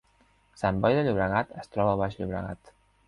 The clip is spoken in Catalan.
Sant Boi de Llobregat es troba al Baix Llobregat